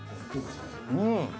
うん！